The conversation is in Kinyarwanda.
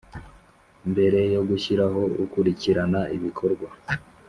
Mbere yo gushyiraho ukurikirana ibikorwa